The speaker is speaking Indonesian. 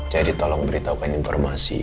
jadi tolong beritahukan informasi